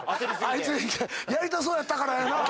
あいつやりたそうやったからやな。